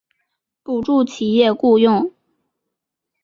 补助企业雇用